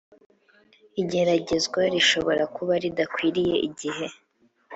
igeragezwa rishobora kuba ridakwiriye igihe